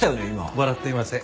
笑っていません。